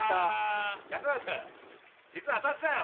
安村君実は私だよ。